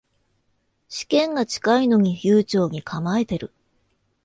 試験が近いのに悠長に構えてる